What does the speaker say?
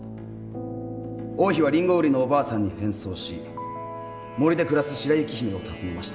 王妃はリンゴ売りのおばあさんに変装し森で暮らす白雪姫を訪ねました。